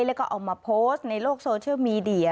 แล้วก็เอามาโพสต์ในโลกโซเชียลมีเดีย